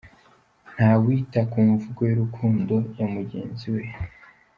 Ntawita ku mvugo y’urukundo ya mugenzi we.